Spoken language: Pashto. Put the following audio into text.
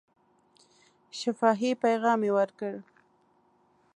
شفاهي پیغام یې ورکړ.